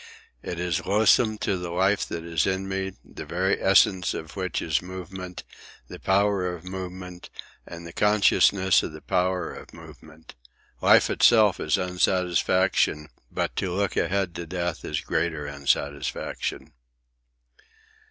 It is loathsome to the life that is in me, the very essence of which is movement, the power of movement, and the consciousness of the power of movement. Life itself is unsatisfaction, but to look ahead to death is greater unsatisfaction."